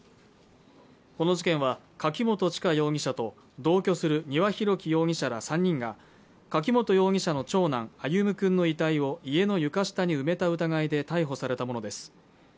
この事件は柿本知香容疑者と同居する丹羽洋樹容疑者ら３人が柿本容疑者の長男歩夢君の遺体を家の床下に埋めた疑いで逮捕されたものです